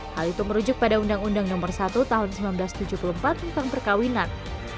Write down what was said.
hal itu merujuk pada undang undang nomor satu tahun seribu sembilan ratus tujuh puluh empat tentang perkawinan